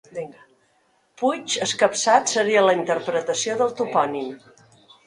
Puig escapçat seria la interpretació del topònim.